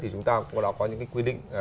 thì chúng ta cũng đã có những quy định